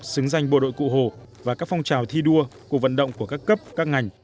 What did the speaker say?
xứng danh bộ đội cụ hồ và các phong trào thi đua cuộc vận động của các cấp các ngành